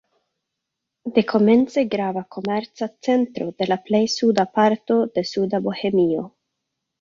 Dekomence grava komerca centro de la plej suda parto de Suda Bohemio.